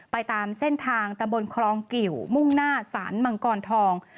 ตามเส้นทางตะบนคลองกิวมุ่งหน้าสารมังกรทอง